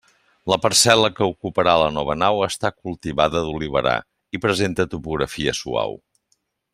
La parcel·la que ocuparà la nova nau està cultivada d'oliverar i presenta topografia suau.